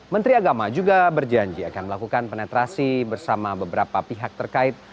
menteri agama juga berjanji akan melakukan penetrasi bersama beberapa pihak terkait